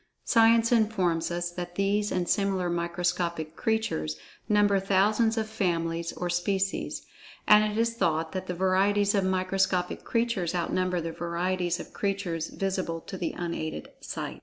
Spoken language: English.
Science informs us that these and similar microscopic creatures, number thousands of families or species,—and it is thought that the varieties of microscopic creatures outnumber the varieties of creatures visible to the unaided sight.